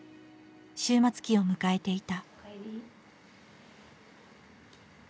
終末期を迎えていた。